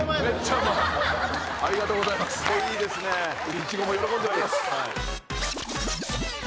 いちごも喜んでおります。